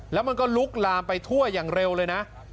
แล้วมันก็ลุกลามไปทั่วอย่างเร็วเลยนะ